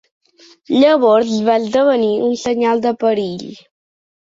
Llavors va esdevenir un senyal de perill.